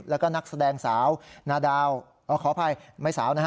แล้วก็นักแสดงสาวนาดาวขออภัยไม่สาวนะฮะ